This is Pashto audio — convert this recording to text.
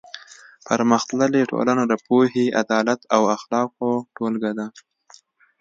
پرمختللې ټولنه د پوهې، عدالت او اخلاقو ټولګه ده.